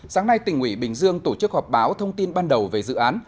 sáng nay tỉnh ủy bình dương tổ chức họp báo thông tin ban đầu về dự án